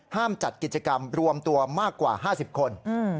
จัดกิจกรรมรวมตัวมากกว่า๕๐คน